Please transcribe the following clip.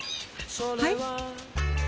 はい？